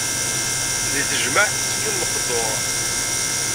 Di tejmaɛt tezgiḍ meqdur.